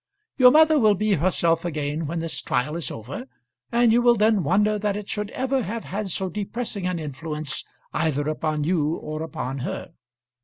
Your mother will be herself again when this trial is over, and you will then wonder that it should ever have had so depressing an influence either upon you or upon her.